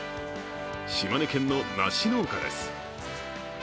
島根県の梨農家です。